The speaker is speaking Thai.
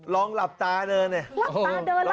ลองหลับตาแก่นเนี่ย